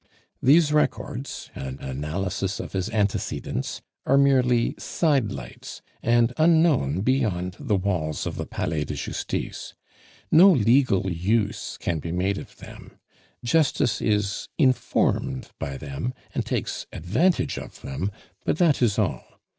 These records, an analysis of his antecedents, are merely side lights, and unknown beyond the walls of the Palais de Justice. No legal use can be made of them; Justice is informed by them, and takes advantage of them; but that is all.